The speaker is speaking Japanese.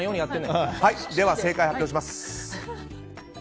では、正解を発表します。